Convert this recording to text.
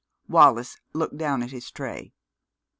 Wallis looked down at his tray.